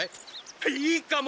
いいかも！